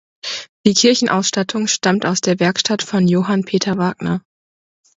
Die Kirchenausstattung stammt aus der Werkstatt von Johann Peter Wagner.